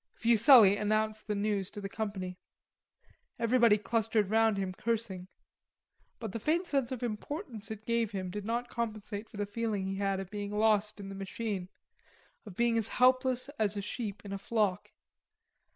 Fuselli announced the news to the company. Everybody clustered round him cursing. But the faint sense of importance it gave him did not compensate for the feeling he had of being lost in the machine, of being as helpless as a sheep in a flock.